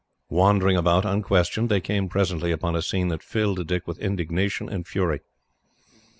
Wandering about, unquestioned, they came presently upon a scene that filled Dick with indignation and fury.